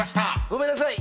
ごめんなさい。